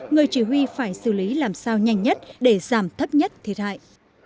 người chỉ huy phải xử lý làm sao nhanh nhất để giảm thấp nhất thiệt hại